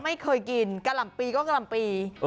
ไม่เคยกินกะลำปลีก็กะลำปลี